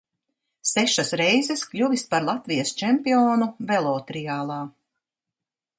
Sešas reizes kļuvis par Latvijas čempionu velotriālā.